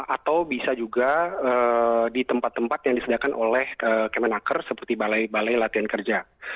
atau bisa juga di tempat tempat yang disediakan oleh kemenaker seperti balai balai latihan kerja